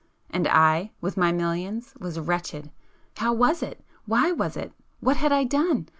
And I,—with my millions,—was wretched! How was it? Why was it? What had I done?